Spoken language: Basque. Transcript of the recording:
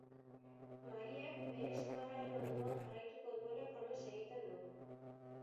Mariak, bere senarraren ondoan jarraituko duela promes egiten du.